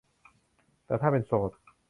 แต่ถ้าเป็นโสด